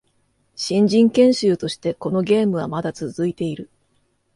新人研修としてこのゲームはまだ続いている